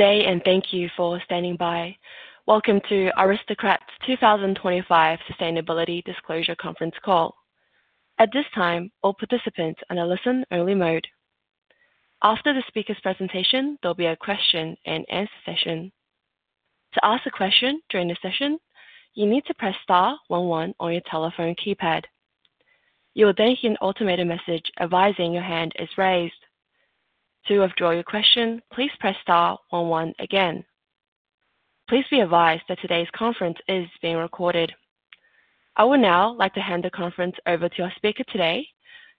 Good day, and thank you for standing by. Welcome to Aristocrat's 2025 Sustainability Disclosure Conference call. At this time, all participants are in a listen-only mode. After the speaker's presentation, there'll be a Q&A session. To ask a question during the session, you need to press star one one on your telephone keypad. You will then hear an automated message advising your hand is raised. To withdraw your question, please press star one one again. Please be advised that today's conference is being recorded. I would now like to hand the conference over to our speaker today,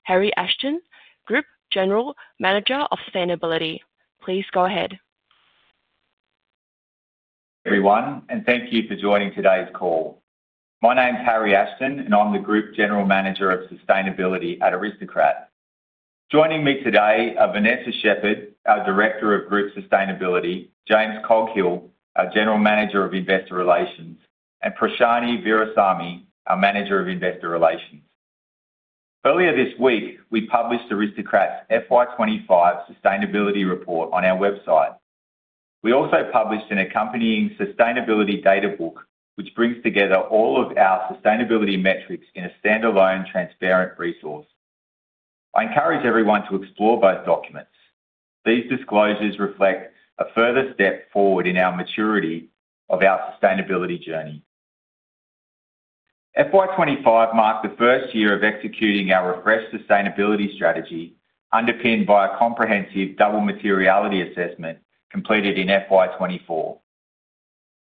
Harry Ashton, Group General Manager of Sustainability. Please go ahead. Everyone, and thank you for joining today's call. My name's Harry Ashton, and I'm the Group General Manager of Sustainability at Aristocrat. Joining me today are Vanessa Shepherd, our Director of Group Sustainability, James Coghill, our General Manager of Investor Relations, and Prashani Veerasamy, our Manager of Investor Relations. Earlier this week, we published Aristocrat's FY 2025 Sustainability Report on our website. We also published an accompanying Sustainability Databook, which brings together all of our sustainability metrics in a standalone, transparent resource. I encourage everyone to explore both documents. These disclosures reflect a further step forward in our maturity of our sustainability journey. FY 2025 marked the first year of executing our refreshed sustainability strategy, underpinned by a comprehensive double materiality assessment completed in FY 2024.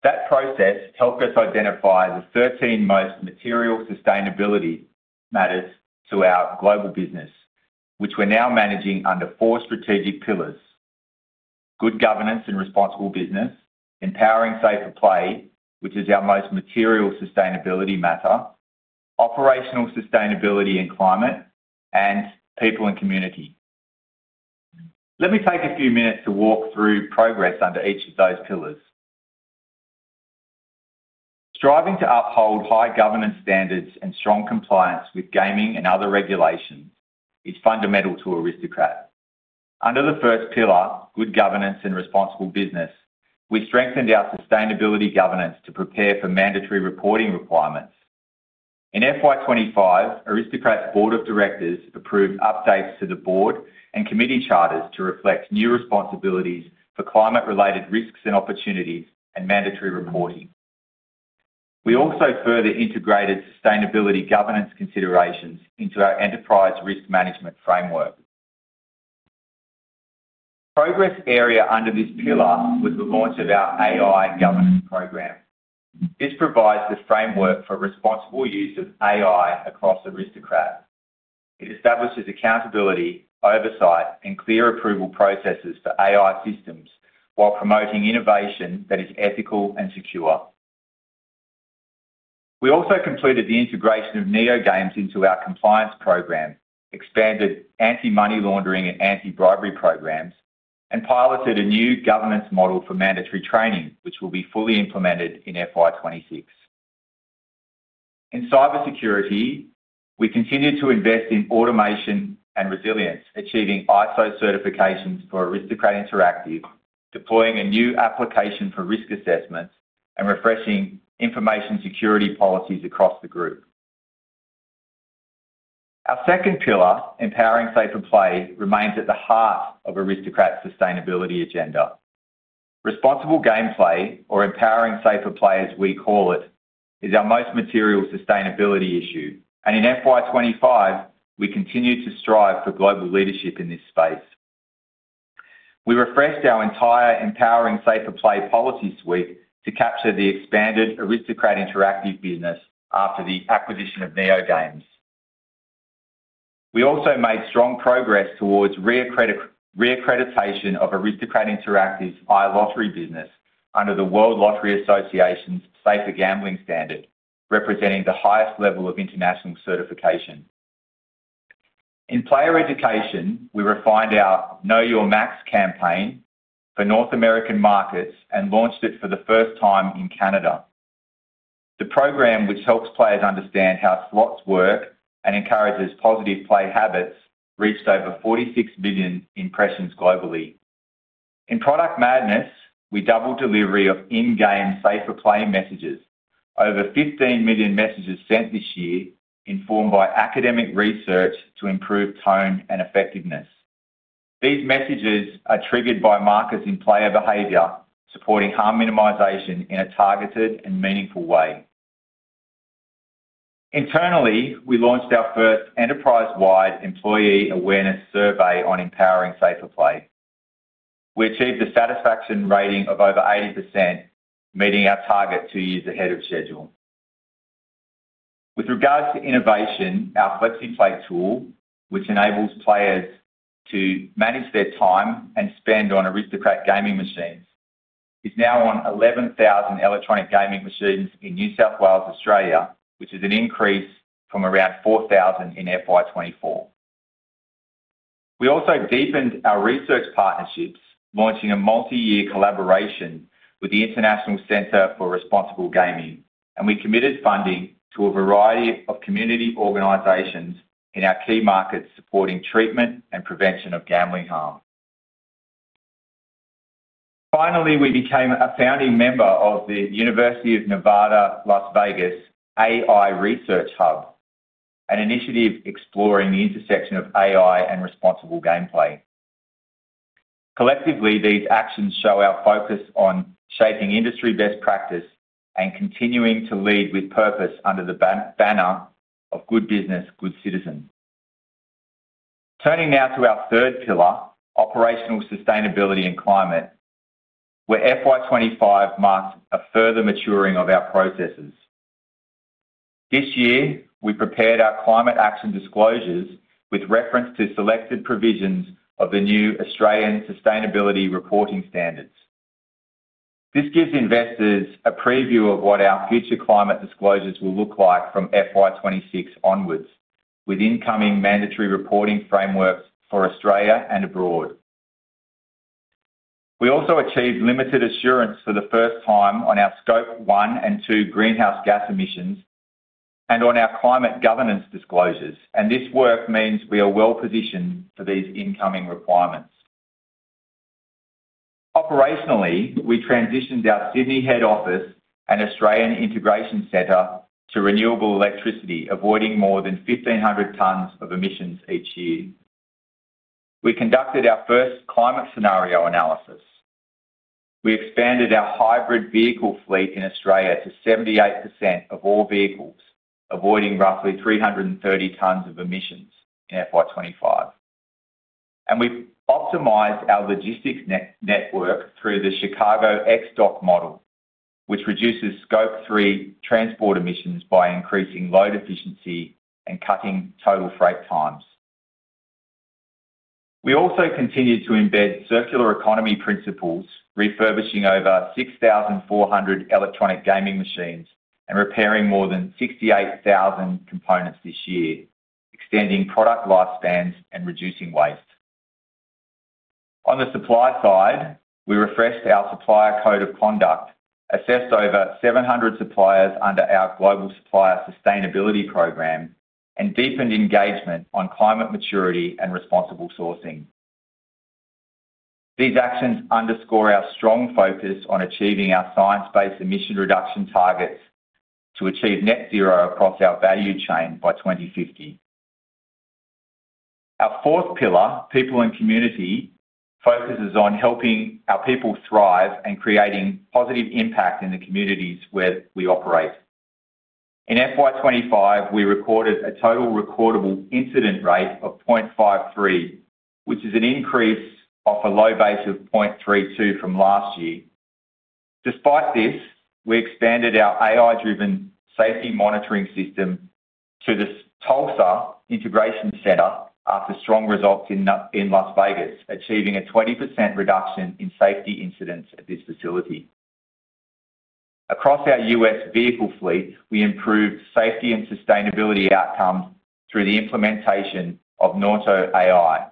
That process helped us identify the 13 most material sustainability matters to our global business, which we're now managing under four strategic pillars: good governance and responsible business, empowering safer play, which is our most material sustainability matter, operational sustainability and climate, and people and community. Let me take a few minutes to walk through progress under each of those pillars. Striving to uphold high governance standards and strong compliance with gaming and other regulations is fundamental to Aristocrat. Under the first pillar, good governance and responsible business, we strengthened our sustainability governance to prepare for mandatory reporting requirements. In FY 2025, Aristocrat's Board of Directors approved updates to the board and committee charters to reflect new responsibilities for climate-related risks and opportunities and mandatory reporting. We also further integrated sustainability governance considerations into our enterprise risk management framework. The progress area under this pillar was the launch of our AI governance program. This provides the framework for responsible use of AI across Aristocrat. It establishes accountability, oversight, and clear approval processes for AI systems while promoting innovation that is ethical and secure. We also completed the integration of NeoGames into our compliance program, expanded anti-money laundering and anti-bribery programs, and piloted a new governance model for mandatory training, which will be fully implemented in FY 2026. In cybersecurity, we continue to invest in automation and resilience, achieving ISO certifications for Aristocrat Interactive, deploying a new application for risk assessments, and refreshing information security policies across the group. Our second pillar, Empowering Safer Play, remains at the heart of Aristocrat's sustainability agenda. Responsible gameplay, or Empowering Safer Play as we call it, is our most material sustainability issue, and in FY 2025, we continue to strive for global leadership in this space. We refreshed our entire Empowering Safer Play policy suite to capture the expanded Aristocrat Interactive business after the acquisition of NeoGames. We also made strong progress towards reaccreditation of Aristocrat Interactive's iLottery business under the World Lottery Association's safer gambling standard, representing the highest level of international certification. In player education, we refined our Know Your Max campaign for North American markets and launched it for the first time in Canada. The program, which helps players understand how slots work and encourages positive play habits, reached over 46 million impressions globally. In Product Madness, we doubled delivery of in-game safer play messages. Over 15 million messages sent this year, informed by academic research to improve tone and effectiveness. These messages are triggered by markers in player behavior, supporting harm minimization in a targeted and meaningful way. Internally, we launched our first enterprise-wide employee awareness survey on empowering safer play. We achieved a satisfaction rating of over 80%, meeting our target two years ahead of schedule. With regards to innovation, our FlexiPlay tool, which enables players to manage their time and spend on Aristocrat gaming machines, is now on 11,000 electronic gaming machines in New South Wales, Australia, which is an increase from around 4,000 in FY 2024. We also deepened our research partnerships, launching a multi-year collaboration with the International Center for Responsible Gaming, and we committed funding to a variety of community organizations in our key markets supporting treatment and prevention of gambling harm. Finally, we became a founding member of the University of Nevada, Las Vegas AI Research Hub, an initiative exploring the intersection of AI and responsible gameplay. Collectively, these actions show our focus on shaping industry best practice and continuing to lead with purpose under the banner of Good Business, Good Citizen. Turning now to our third pillar, operational sustainability and climate, where FY 2025 marked a further maturing of our processes. This year, we prepared our climate action disclosures with reference to selected provisions of the new Australian Sustainability Reporting Standards. This gives investors a preview of what our future climate disclosures will look like from FY 2026 onwards, with incoming mandatory reporting frameworks for Australia and abroad. We also achieved limited assurance for the first time on our Scope 1 and 2 greenhouse gas emissions and on our climate governance disclosures, and this work means we are well positioned for these incoming requirements. Operationally, we transitioned our Sydney head office and Australian Integration Centre to renewable electricity, avoiding more than 1,500 tons of emissions each year. We conducted our first climate scenario analysis. We expanded our hybrid vehicle fleet in Australia to 78% of all vehicles, avoiding roughly 330 tons of emissions in FY 2025. We optimized our logistics network through the Chicago X-Dock model, which reduces Scope 3 transport emissions by increasing load efficiency and cutting total freight times. We also continued to embed circular economy principles, refurbishing over 6,400 electronic gaming machines and repairing more than 68,000 components this year, extending product lifespans and reducing waste. On the supply side, we refreshed our supplier code of conduct, assessed over 700 suppliers under our Global Supplier Sustainability Program, and deepened engagement on climate maturity and responsible sourcing. These actions underscore our strong focus on achieving our science-based emission reduction targets to achieve net zero across our value chain by 2050. Our fourth pillar, people and community, focuses on helping our people thrive and creating positive impact in the communities where we operate. In FY 2025, we recorded a total recordable incident rate of 0.53, which is an increase off a low base of 0.32 from last year. Despite this, we expanded our AI-driven safety monitoring system to the Tulsa Integration Centre after strong results in Las Vegas, achieving a 20% reduction in safety incidents at this facility. Across our US vehicle fleet, we improved safety and sustainability outcomes through the implementation of Nauto AI.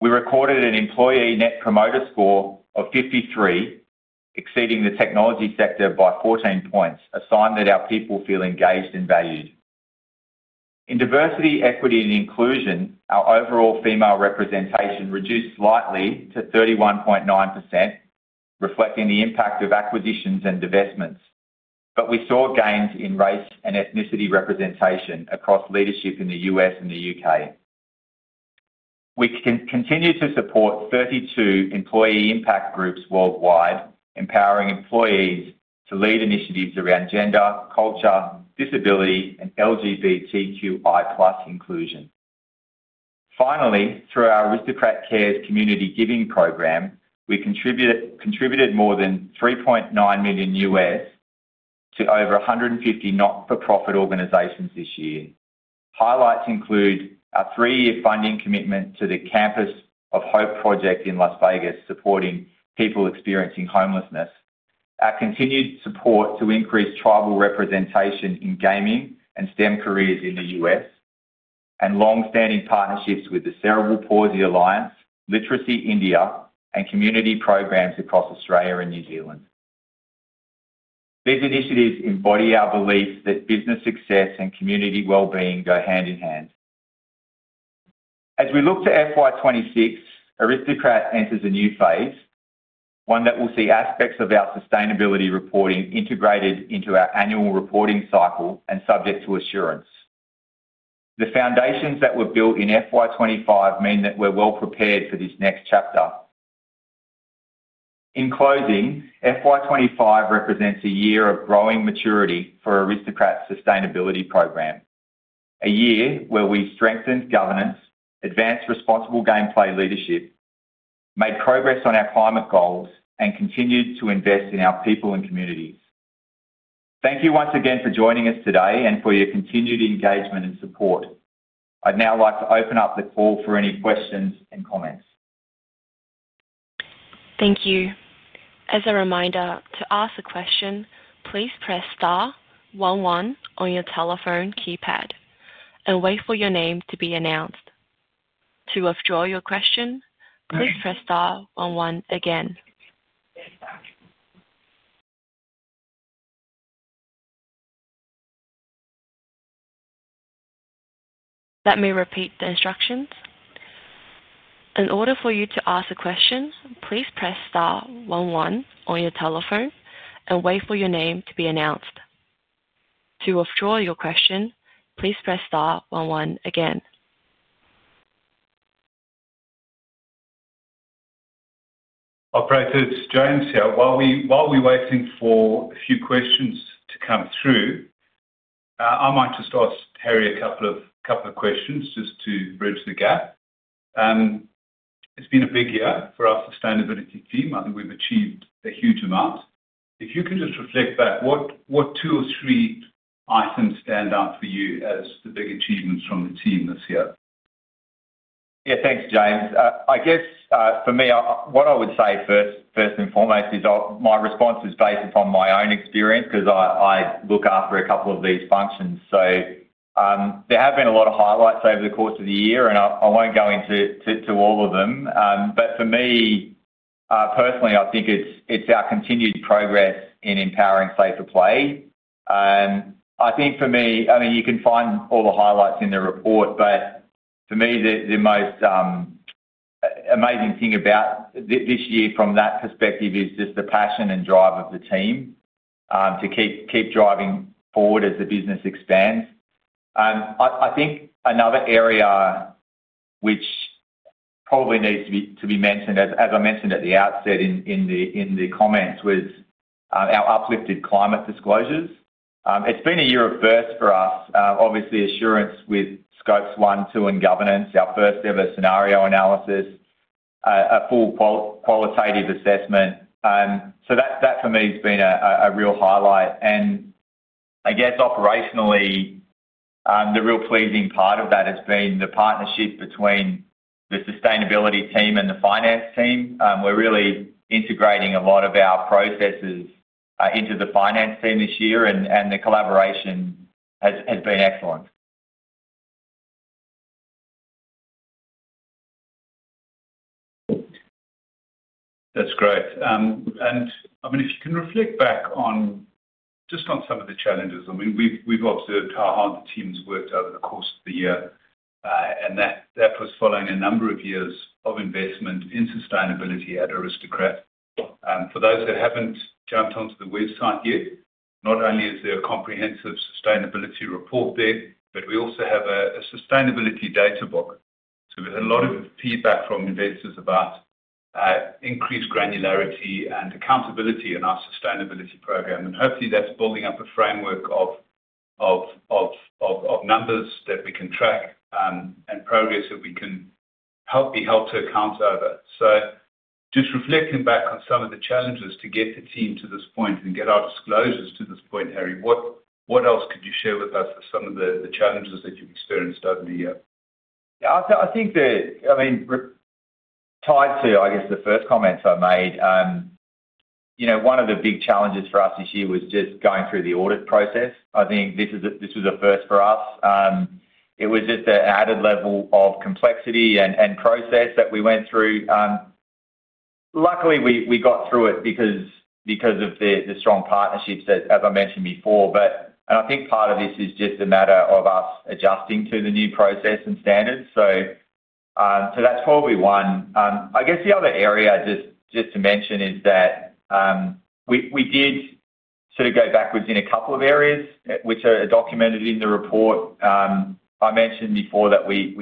We recorded an Employee Net Promoter Score of 53, exceeding the technology sector by 14 points, a sign that our people feel engaged and valued. In diversity, equity, and inclusion, our overall female representation reduced slightly to 31.9%, reflecting the impact of acquisitions and divestments, but we saw gains in race and ethnicity representation across leadership in the U.S. and the U.K. We continue to support 32 employee impact groups worldwide, empowering employees to lead initiatives around gender, culture, disability, and LGBTQI+ inclusion. Finally, through our Aristocrat Cares community giving program, we contributed more than $3.9 million to over 150 not-for-profit organizations this year. Highlights include our three-year funding commitment to the Campus of Hope project in Las Vegas, supporting people experiencing homelessness, our continued support to increase tribal representation in gaming and STEM careers in the U.S., and long-standing partnerships with the Cerebral Palsy Alliance, Literacy India, and community programs across Australia and New Zealand. These initiatives embody our belief that business success and community well-being go hand in hand. As we look to FY 2026, Aristocrat enters a new phase, one that will see aspects of our sustainability reporting integrated into our annual reporting cycle and subject to assurance. The foundations that were built in FY 2025 mean that we're well prepared for this next chapter. In closing, FY 2025 represents a year of growing maturity for Aristocrat's sustainability program, a year where we strengthened governance, advanced responsible gameplay leadership, made progress on our climate goals, and continued to invest in our people and communities. Thank you once again for joining us today and for your continued engagement and support. I'd now like to open up the call for any questions and comments. Thank you. As a reminder, to ask a question, please press star one one on your telephone keypad and wait for your name to be announced. To withdraw your question, please press star one one again. Let me repeat the instructions. In order for you to ask a question, please press star one one on your telephone and wait for your name to be announced. To withdraw your question, please press star one one again. Okay, so it's James here. While we're waiting for a few questions to come through, I might just ask Harry a couple of questions just to bridge the gap. It's been a big year for our sustainability team. I think we've achieved a huge amount. If you can just reflect back, what two or three items stand out for you as the big achievements from the team this year? Yeah, thanks, James. I guess for me, what I would say first and foremost is my response is based upon my own experience because I look after a couple of these functions. So there have been a lot of highlights over the course of the year, and I won't go into all of them. But for me personally, I think it's our continued progress in empowering safer play. I think for me, I mean, you can find all the highlights in the report, but for me, the most amazing thing about this year from that perspective is just the passion and drive of the team to keep driving forward as the business expands. I think another area which probably needs to be mentioned, as I mentioned at the outset in the comments, was our uplifted climate disclosures. It's been a year of birth for us. Obviously, assurance with Scopes 1, 2, and governance, our first-ever scenario analysis, a full qualitative assessment. So that for me has been a real highlight. And I guess operationally, the real pleasing part of that has been the partnership between the sustainability team and the finance team. We're really integrating a lot of our processes into the finance team this year, and the collaboration has been excellent. That's great. And I mean, if you can reflect back just on some of the challenges, I mean, we've observed how hard the team's worked over the course of the year, and that was following a number of years of investment in sustainability at Aristocrat. For those that haven't jumped onto the website yet, not only is there a comprehensive sustainability report there, but we also have a sustainability data book. So we've had a lot of feedback from investors about increased granularity and accountability in our sustainability program. And hopefully, that's building up a framework of numbers that we can track and progress that we can be helped to account over. So just reflecting back on some of the challenges to get the team to this point and get our disclosures to this point, Harry, what else could you share with us as some of the challenges that you've experienced over the year? Yeah, I think that, I mean, tied to, I guess, the first comments I made, one of the big challenges for us this year was just going through the audit process. I think this was a first for us. It was just an added level of complexity and process that we went through. Luckily, we got through it because of the strong partnerships, as I mentioned before, and I think part of this is just a matter of us adjusting to the new process and standards, so that's probably one. I guess the other area just to mention is that we did sort of go backwards in a couple of areas, which are documented in the report. I mentioned before that we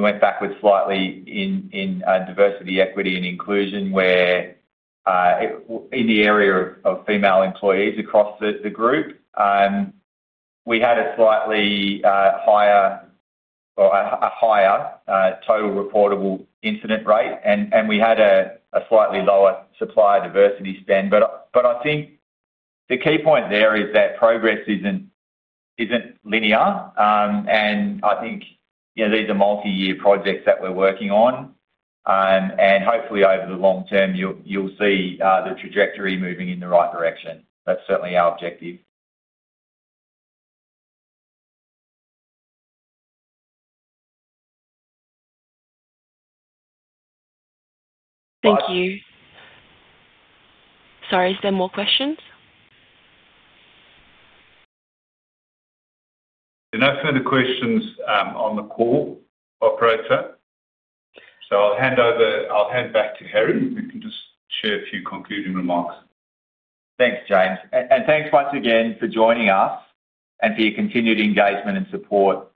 went backwards slightly in diversity, equity, and inclusion in the area of female employees across the group. We had a slightly higher total recordable incident rate, and we had a slightly lower supply diversity spend, but I think the key point there is that progress isn't linear, and I think these are multi-year projects that we're working on. And hopefully, over the long term, you'll see the trajectory moving in the right direction. That's certainly our objective. Thank you. Sorry, is there more questions? There are no further questions on the call, Aristocrat. So I'll hand back to Harry. You can just share a few concluding remarks. Thanks, James. And thanks once again for joining us and for your continued engagement and support.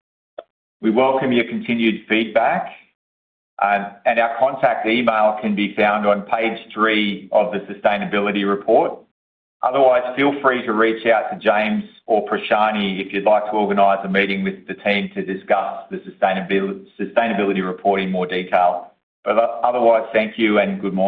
We welcome your continued feedback. And our contact email can be found on page three of the sustainability report. Otherwise, feel free to reach out to James or Prashani if you'd like to organize a meeting with the team to discuss the sustainability report in more detail. But otherwise, thank you and good.